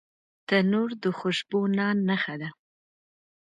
تنور د خوشبو نان نښه ده